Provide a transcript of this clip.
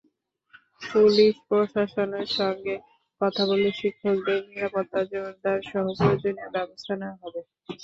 Police প্রশাসনের সঙ্গে কথা বলে শিক্ষকদের নিরাপত্তা জোরদারসহ প্রয়োজনীয় ব্যবস্থা নেওয়া হবে।